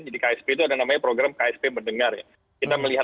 jadi ksp itu ada namanya program ksp mendengar ya